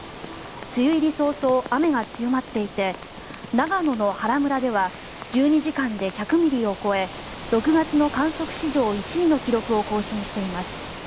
梅雨入り早々、雨が強まっていて長野の原村では１２時間で１００ミリを超え６月の観測史上１位の記録を更新しています。